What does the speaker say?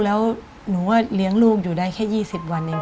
แล้วหนูก็เลี้ยงลูกอยู่ได้แค่๒๐วันเอง